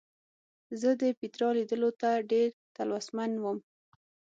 زه د پیترا لیدلو ته ډېر تلوسمن وم.